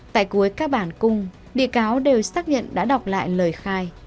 tại cuối các bản cung bị cáo đều xác nhận đã đọc lại lời khai